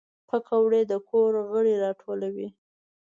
پکورې د کور غړي راټولوي